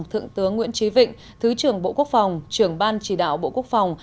thượng tướng nguyễn trí vịnh thứ trưởng bộ quốc phòng trưởng ban chỉ đạo bộ quốc phòng